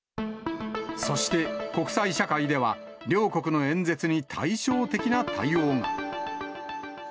そして国際社会では、両国の演説に対照的な対応が。